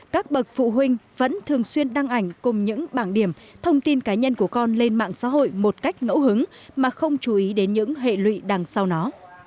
các bậc phụ huynh vẫn thường xuyên đăng ảnh cùng những bảng điểm thông tin cá nhân của con lên mạng xã hội một cách ngẫu hứng mà không chú ý đến những hệ lụy đằng sau nó